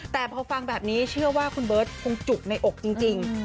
แต่พอฟังแบบนี้เชื่อว่าคุณเบิร์ตคงจุกในอกจริง